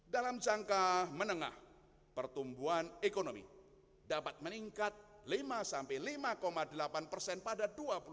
dalam jangka menengah pertumbuhan ekonomi dapat meningkat lima sampai lima delapan persen pada dua ribu dua puluh satu